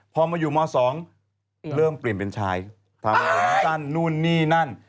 พอมาอยู่ม๒เริ่มเปลี่ยนเป็นชายทำผมสั้นนู่นนี่นั่น